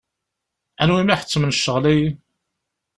Anwi i m-iḥettmen ccɣel-agi?